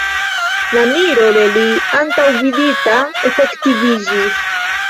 La miro de li antaŭvidita efektiviĝis.